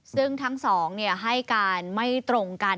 ซึ่งทั้งสองให้การไม่ตรงกัน